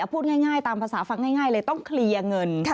พูดง่ายตามภาษาฟังง่ายเลยต้องเคลียร์เงิน